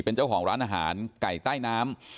เป็นเจ้าของร้านอาหารไก่ใต้น้ำ